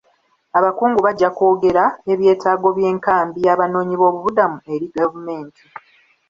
Abakungu bajja kwogera eby'etaago by'enkambi y'abanoonyiboobubudamu eri gavumenti.